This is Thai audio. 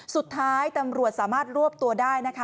สุดท้ายตำรวจสามารถรวบตัวได้นะคะ